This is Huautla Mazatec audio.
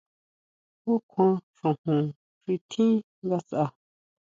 ¿Ju kjuan xojon xi tjín ngasʼa?